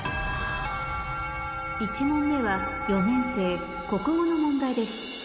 １問目は４年生国語の問題です